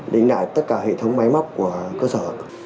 đính lại tất cả hệ thống máy móc của cơ sở